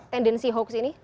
tendensi hoax ini